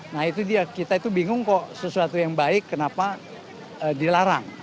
nah itu dia kita itu bingung kok sesuatu yang baik kenapa dilarang